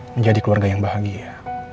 menjadi keluarga yang bahagia